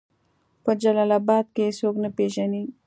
په جلال آباد کې يې څوک نه پېژني